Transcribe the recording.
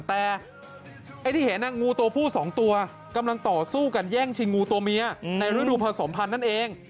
แต่ไอ้ที่เห็นงูตัวผู้สองตัวกำลังต่อสู้กันแย่งชิงงูตัวเมียในฤดูผสมพันธ์นั่นเอง